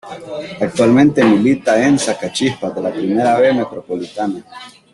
Actualmente milita en Sacachispas de la Primera B Metropolitana.